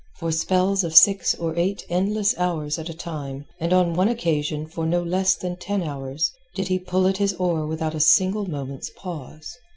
For spells of six or eight endless hours at a time, and on one occasion for no less than ten hours, did he pull at his oar without a single moment's pause.